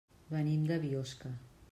Venim de Biosca.